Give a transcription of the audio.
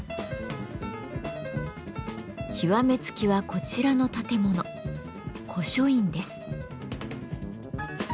極めつきはこちらの建物古書院です。